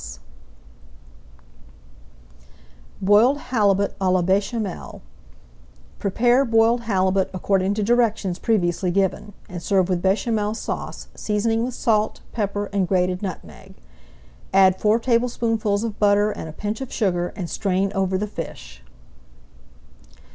[Page 193] BOILED HALIBUT À LA BECHAMEL Prepare Boiled Halibut according to directions previously given, and serve with Bechamel Sauce, seasoning with salt, pepper, and grated nutmeg. Add four tablespoonfuls of butter and a pinch of sugar, and strain over the fish.